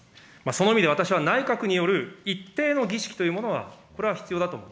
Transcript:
その意味で私は、内閣による一定の儀式というものは、これは必要だと思う。